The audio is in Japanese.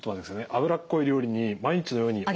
脂っこい料理に毎日のようにおやつ。